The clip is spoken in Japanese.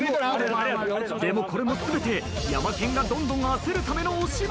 でもこれも全てヤマケンがどんどん焦るためのお芝居。